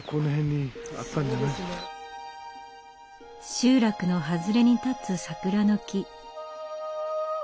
集落の外れに立つ桜の木。